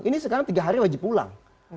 ini sekarang tiga hari wajib pulang